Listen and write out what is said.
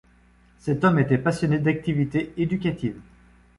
Cet homme était passionné d'activités éducatives.